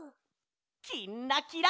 「きんらきら」。